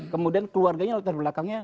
kemudian keluarganya latar belakangnya